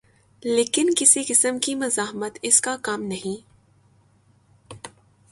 لیکن کسی قسم کی مزاحمت اس کا کام نہیں۔